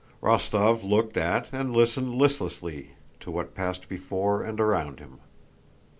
Rostóv looked at and listened listlessly to what passed before and around him.